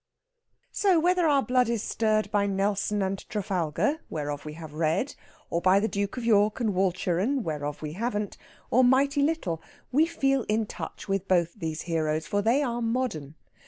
So, whether our blood is stirred by Nelson and Trafalgar, whereof we have read, or by the Duke of York and Walcheren, whereof we haven't or mighty little we feel in touch with both these heroes, for they are modern.